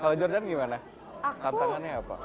kalau jordan gimana tantangannya apa